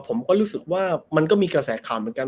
ผมก็รู้สึกว่ามันก็มีกระแสข่าวเหมือนกัน